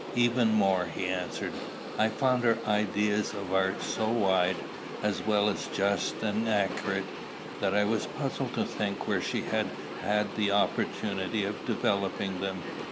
"Even more," he answered. "I found her ideas of art so wide, as well as just and accurate, that I was puzzled to think where she had had opportunity of developing them.